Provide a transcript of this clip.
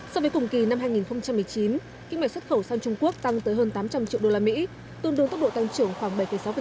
so với cùng kỳ năm hai nghìn một mươi chín kinh mệnh xuất khẩu sang trung quốc tăng tới hơn tám trăm linh triệu usd tương đương tốc độ tăng trưởng khoảng bảy sáu